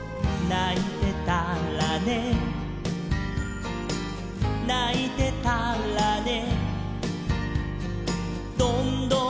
「ないてたらねないてたらね」